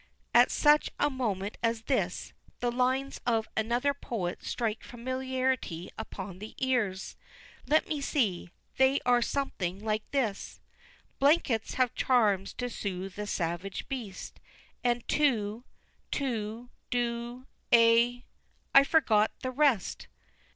At such a moment as this, the lines of another poet strike familiarly upon the ears. Let me see, they are something like this "Blankets have charms to soothe the savage breast, And to to, do a " I forget the rest.